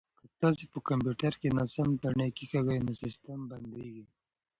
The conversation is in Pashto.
که تاسي په کمپیوټر کې ناسم تڼۍ کېکاږئ نو سیسټم بندیږي.